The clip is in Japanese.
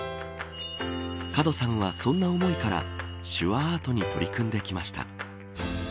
門さんは、そんな思いから手話アートに取り組んできました。